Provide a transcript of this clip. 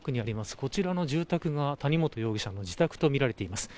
こちらの住宅が谷本容疑者の自宅とみられています。